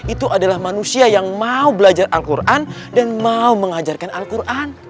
itu adalah manusia yang mau belajar al quran dan mau mengajarkan al quran